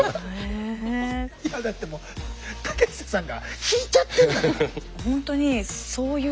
だってもう竹下さんが引いちゃってんだから。